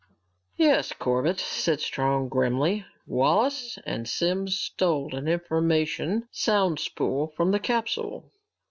"Yes, Corbett," said Strong grimly. "Wallace and Simms stole an information sound spool from the capsule.